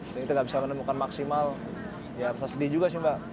kita nggak bisa menemukan maksimal ya bisa sedih juga sih mbak